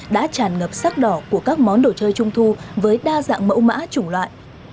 đã tràn ngập sắc đỏ của các món đồ chơi trung thu với đa dạng mẫu mã chủng loại